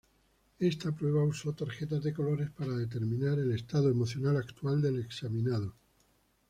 Esta prueba usó tarjetas de colores para determinar el estado emocional actual del examinado.